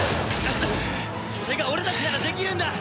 それが俺たちならできるんだ！